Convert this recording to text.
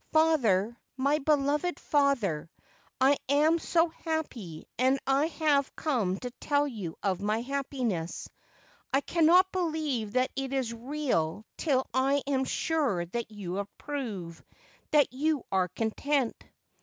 ' Father, my beloved father, I am so happy, and I have come to tell you of my happiness. I cannot believe that it is real till I am sure that you approve, that you are content.'